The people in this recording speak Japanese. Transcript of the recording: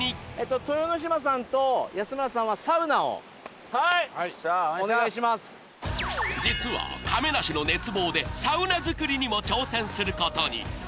豊ノ島さんと、安村さんはサ実は亀梨の熱望で、サウナ作りにも挑戦することに。